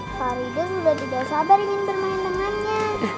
faridah sudah tidak sabar ingin bermain dengannya